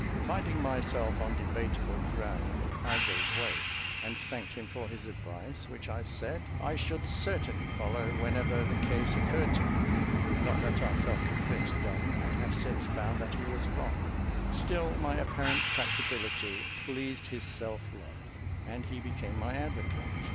Finding myself on debatable ground, I gave way, and thanked him for his advice, which I said I should certainly follow whenever the case occurred to me; not that I felt convinced then, and have since found that he was wrong; still my apparent tractability pleased his self love, and he became my advocate.